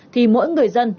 thì mỗi người dân